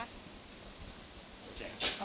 โอเคค่ะ